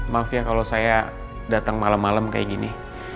maaf ya kalau saya datang malam malam kayak gini